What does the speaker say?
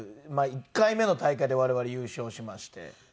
１回目の大会で我々優勝しまして。